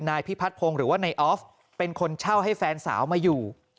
นายพิพัฒนพงศ์หรือว่านายออฟเป็นคนเช่าให้แฟนสาวมาอยู่